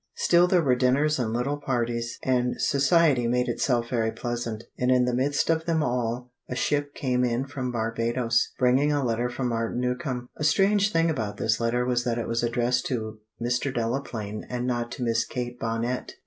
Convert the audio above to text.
Still there were dinners and little parties, and society made itself very pleasant; and in the midst of them all a ship came in from Barbadoes, bringing a letter from Martin Newcombe. A strange thing about this letter was that it was addressed to Mr. Delaplaine and not to Miss Kate Bonnet.